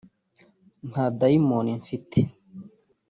“Nta Dayimoni mfite